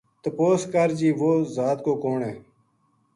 تپوس کر جی وہ ذات کو کون ہے